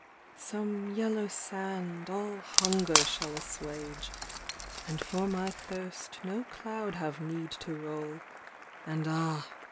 XLIII Some yellow sand all hunger shall assuage And for my thirst no cloud have need to roll, And ah